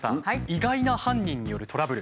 意外な犯人によるトラブル